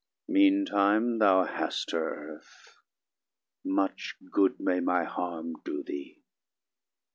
60 Meantime, thou hast her, Earth; much good May my harm do thee.